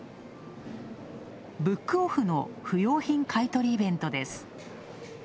ブックオフの不用品買取イベントです。